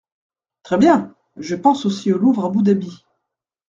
Très bien ! Je pense aussi au Louvre Abu Dhabi.